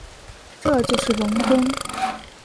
这就是容庚。